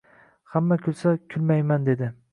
Hamma kulsa kulmayman dedi